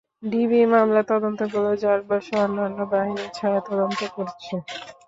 DB মামলার তদন্ত করলেও র্যা বসহ অন্যান্য বাহিনী ছায়া তদন্ত করছে।